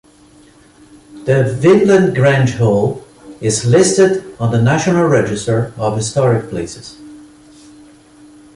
The Vinland Grange Hall is listed on the National Register of Historic Places.